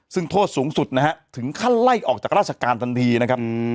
ซึ่งโทษสูงสุดนะฮะถึงขั้นไล่ออกจากราชการทันทีนะครับ